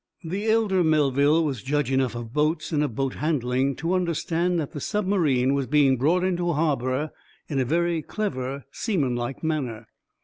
The elder Melville was judge enough of boats and of boat handling to understand that the submarine was being brought into harbor in a very clever, seamanlike manner.